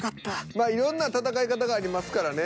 まあいろんな戦い方がありますからね。